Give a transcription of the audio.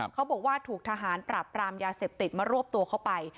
เขาบอกว่าถูกทหารปราบปรามยาเสพติดมารวบตัวเข้าไป